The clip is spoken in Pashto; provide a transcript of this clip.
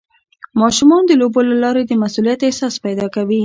ماشومان د لوبو له لارې د مسؤلیت احساس پیدا کوي.